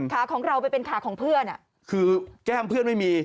ขาของเราไปเป็นขาของเพื่อนอ่ะคือแก้มเพื่อนไม่มี